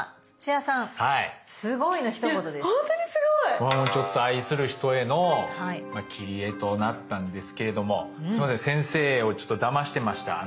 僕もちょっと愛する人への切り絵となったんですけれどもすいません先生をだましてました。